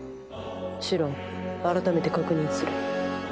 シロン改めて確認する。